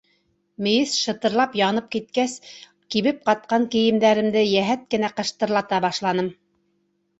Мейес шытырлап янып киткәс, кибеп ҡатҡан кейемдәремде йәһәт кенә ҡыштырлата башланым.